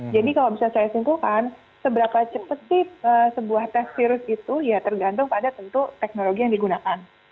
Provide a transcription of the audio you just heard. jadi kalau bisa saya singkulkan seberapa cepat sih sebuah tes virus itu ya tergantung pada tentu teknologi yang digunakan